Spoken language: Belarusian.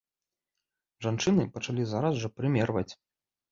Жанчыны пачалі зараз жа прымерваць.